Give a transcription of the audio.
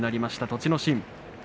栃ノ心。